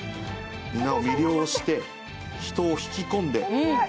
魅了して、人を引き込んで。